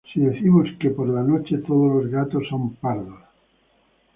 si decimos que por la noche todos los gatos son pardos